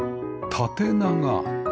縦長